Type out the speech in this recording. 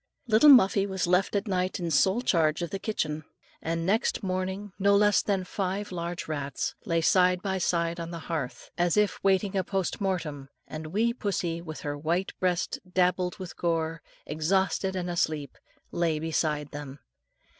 Little Muffie was left that night in sole charge of the kitchen, and next morning, no less than five large rats, lay side by side on the hearth, as if waiting a post mortem, and wee pussie, with her white breast dabbled in gore, exhausted and asleep, lay beside them.